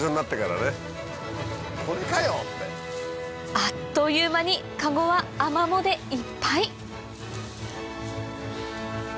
あっという間にカゴはアマモでいっぱい！